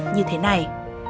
như thế này